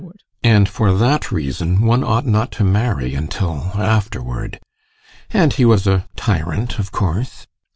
And for that reason one ought not to marry until afterward. And he was a tyrant, of course?